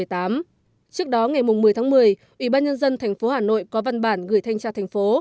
trước đó ngày một mươi tháng một mươi ủy ban nhân dân tp hà nội có văn bản gửi thanh tra thành phố